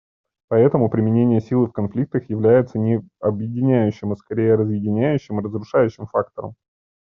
Поэтому применение силы в конфликтах является не объединяющим, а скорее разделяющим и разрушающим фактором.